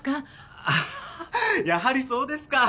あっやはりそうですか。